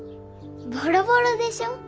ボロボロでしょ？